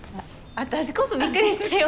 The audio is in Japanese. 私こそびっくりしたよ